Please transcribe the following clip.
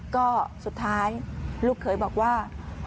ก็สุดท้ายลูกเขยบอกว่า